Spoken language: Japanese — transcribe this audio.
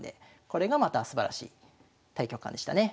これがまたすばらしい大局観でしたね。